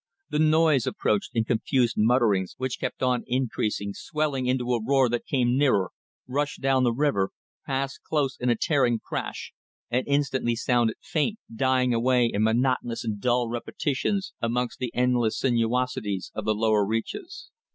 The noise approached in confused mutterings which kept on increasing, swelling into a roar that came nearer, rushed down the river, passed close in a tearing crash and instantly sounded faint, dying away in monotonous and dull repetitions amongst the endless sinuosities of the lower reaches.